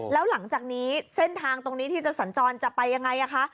แล้วหลังจากนี้เส้นทางตรงนี้ที่จะสัญจรจะไปยังไงคะ